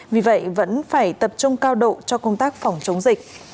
vì vậy vẫn phải tập trung cao độ cho công tác phòng chống dịch